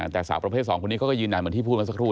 แต่สาวประเภท๒คนนี้เขาก็ยืนยันเหมือนที่พูดมาสักครู่